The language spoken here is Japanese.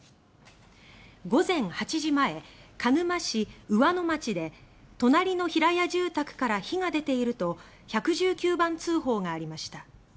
午前８時前鹿沼市上野町で「隣の平屋住宅から火が出ている」と１１９番通報がありました。